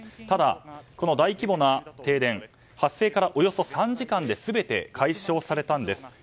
ただ、大規模な停電は発生からおよそ３時間が全て解消されたんです。